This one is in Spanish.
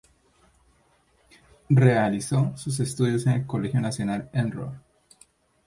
Realizó sus estudios en el colegio Nacional Nro.